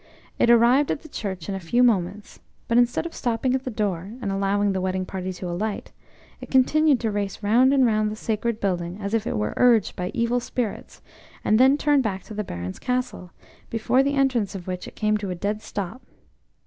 It arrived at the church in a few moments, but instead of stopping at the door, and allowing the wedding party to alight, it continued to race round and round the sacred building as if it were urged by evil spirits, and then turned back to the Baron's castle, before the entrance of which it came to a dead stop.